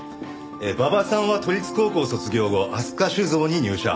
馬場さんは都立高校卒業後飛鳥酒造に入社。